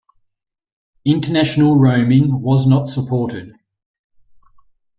International roaming was not supported.